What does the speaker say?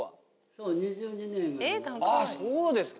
あっそうですか。